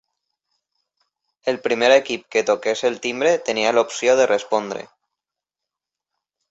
El primer equip que toqués el timbre tenia l'opció de respondre.